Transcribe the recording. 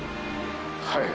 はい。